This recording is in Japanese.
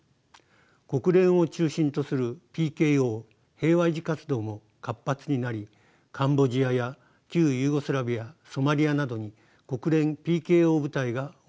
国連を中心とするＰＫＯ平和維持活動も活発になりカンボジアや旧ユーゴスラビアソマリアなどに国連ＰＫＯ部隊が送られました。